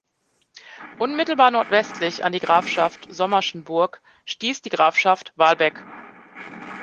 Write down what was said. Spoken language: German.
Unmittelbar nordwestlich an die Grafschaft Sommerschenburg stieß die Grafschaft Walbeck.